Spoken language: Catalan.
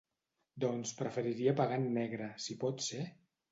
Doncs preferiria pagar en negre, si pot ser?